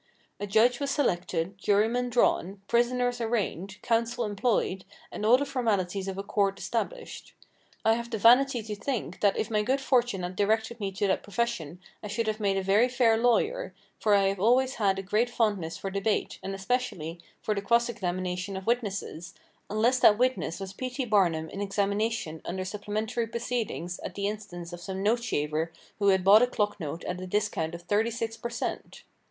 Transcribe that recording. A judge was selected, jurymen drawn, prisoners arraigned, counsel employed, and all the formalities of a court established. I have the vanity to think that if my good fortune had directed me to that profession I should have made a very fair lawyer, for I have always had a great fondness for debate and especially for the cross examination of witnesses, unless that witness was P. T. Barnum in examination under supplementary proceedings at the instance of some note shaver who had bought a clock note at a discount of thirty six per cent.